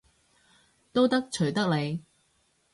都得，隨得你